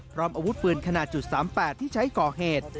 พร้อมอาวุธปืนขนาด๓๘ที่ใช้ก่อเหตุ